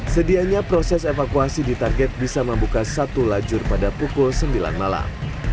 sedianya proses evakuasi ditarget bisa membuka satu lajur pada pukul sembilan malam